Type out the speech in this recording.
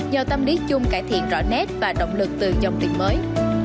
do tâm lý chung cải thiện rõ nét và động lực từ dòng tiền mới